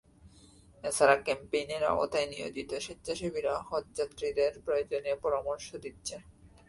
এ ছাড়া ক্যাম্পেইনের আওতায় নিয়োজিত স্বেচ্ছাসেবীরা হজযাত্রীদের প্রয়োজনীয় পরামর্শ দিচ্ছেন।